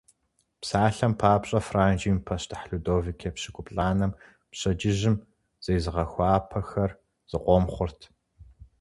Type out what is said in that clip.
Псалъэм папщӏэ, Франджым и пащтыхь Людовик Епщыкӏуплӏанэм пщэдджыжьым зезыгъэхуапэхэр зыкъом хъурт.